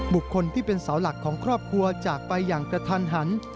บุคคลที่เป็นเสาหลักของครอบครัวจากไปอย่างกระทันหัน